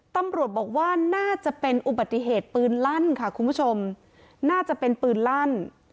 ตำรวจบอกว่าน่าจะเป็นอุบัติเหตุปืนลั่นค่ะคุณผู้ชมน่าจะเป็นปืนลั่น